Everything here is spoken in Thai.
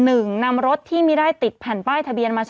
ผู้ต้องหาที่ขับขี่รถจากอายานยนต์บิ๊กไบท์